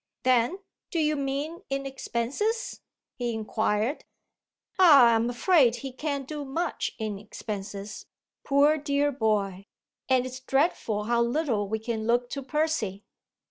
Then, "Do you mean in expenses?" he inquired. "Ah I'm afraid he can't do much in expenses, poor dear boy! And it's dreadful how little we can look to Percy."